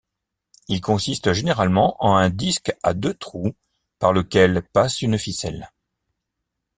Il consiste généralement en un disque à deux trous par lesquels passe une ficelle.